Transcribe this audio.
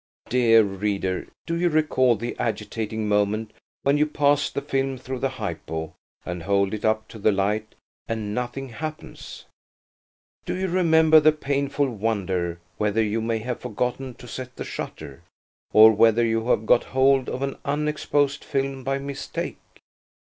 Dear reader, do you recall the agitating moment when you pass the film through the hypo–and hold it up to the light–and nothing happens? Do you remember the painful wonder whether you may have forgotten to set the shutter? Or whether you have got hold of an unexposed film by mistake?